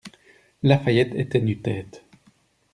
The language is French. La Fayette était nu tête.